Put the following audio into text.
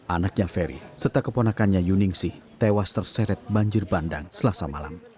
anaknya ferry serta keponakannya yuningsih tewas terseret banjir bandang selasa malam